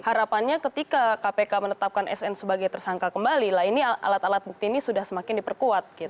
harapannya ketika kpk menetapkan sn sebagai tersangka kembali lah ini alat alat bukti ini sudah semakin diperkuat